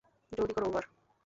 জলদি করো, ওভার।